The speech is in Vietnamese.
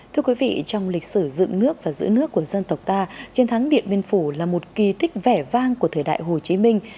thưa quý vị trong lịch sử dựng nước và giữ nước của dân tộc ta chiến thắng điện biên phủ là một kỳ thích vẻ vang của thời đại hồ chí minh